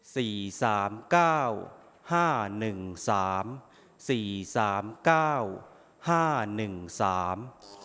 สี่สามเก้าห้าหนึ่งสามสี่สามเก้าห้าหนึ่งสาม